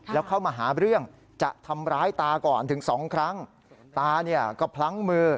แล้วเข้ามาหาเรื่องจะทำร้ายตาก่อนถึงสองครั้งตาเนี่ยก็พลั้งมือ